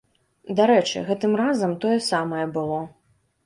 Дарэчы, гэтым разам тое самае было.